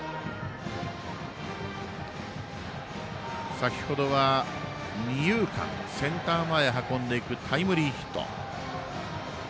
先ほどは、二遊間センター前へ運んでいくタイムリーヒット。